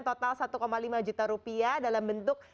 total rp satu lima juta dalam bentuk